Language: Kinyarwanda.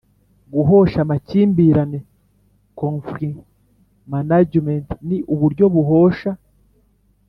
Guhosha amakimbirane Conflict Management ni uburyo buhosha